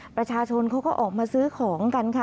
ประชาชนเขาก็ออกมาซื้อของกันค่ะ